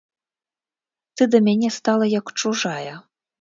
Ты да мяне стала як чужая.